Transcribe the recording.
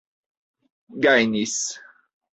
gajnis